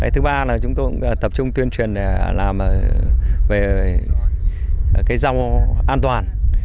thứ ba là chúng tôi cũng tập trung tuyên truyền làm về rau an toàn